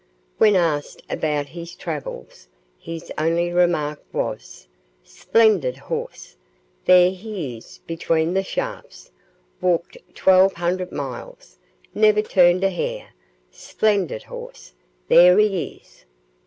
When asked about his travels, his only remark was, "Splendid horse; there he is between the shafts; walked twelve hundred miles; never turned a hair; splendid horse; there he is."